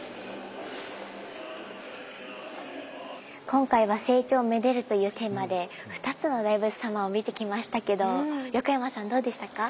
今回は「成長を愛でる」というテーマで２つの大仏様を見てきましたけど横山さんどうでしたか？